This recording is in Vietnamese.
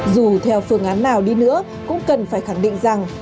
dù theo phương án nào đi nữa cũng cần phải khẳng định rằng